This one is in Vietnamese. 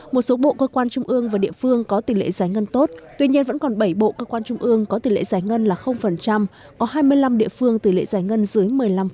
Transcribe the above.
một số bộ cơ quan trung ương và địa phương có tỷ lệ giải ngân tốt tuy nhiên vẫn còn bảy bộ cơ quan trung ương có tỷ lệ giải ngân là có hai mươi năm địa phương tỷ lệ giải ngân dưới một mươi năm